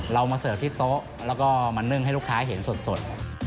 เรามาเสิร์ฟที่โต๊ะแล้วก็มานึ่งให้ลูกค้าเห็นสด